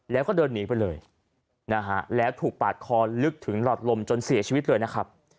แล้วก็เดินหนีไปเลยนะฮะแล้วถูกปาดคอลึกถึงหลอดลมจนเสียชีวิตเลยนะครับ